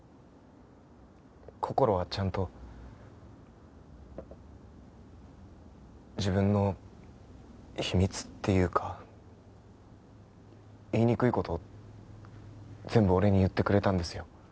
こころはちゃんと自分の秘密っていうか言いにくい事を全部俺に言ってくれたんですよ。